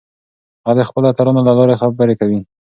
هغه د خپلو اتلانو له لارې خبرې کوي.